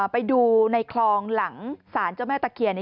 ไปดูในคลองหลังศาลเจ้าแม่ตะเคียน